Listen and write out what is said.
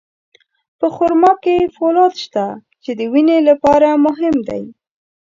په خرما کې فولاد شته، چې د وینې لپاره مهم دی.